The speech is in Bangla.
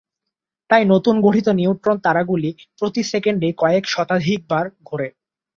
তাই নতুন গঠিত নিউট্রন তারাগুলি প্রতি সেকেন্ডে কয়েক শতাধিক বার ঘোরে।